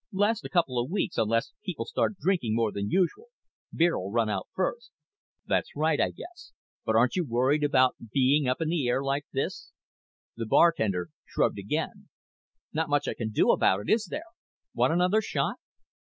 "Last a coupla weeks unless people start drinking more than usual. Beer'll run out first." "That's right, I guess. But aren't you worried about being up in the air like this?" The bartender shrugged again. "Not much I can do about it, is there? Want another shot?"